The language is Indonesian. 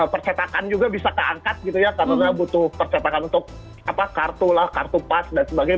percetakan juga bisa keangkat gitu ya karena butuh percetakan untuk apa kartu lah kartu pas dan sebagainya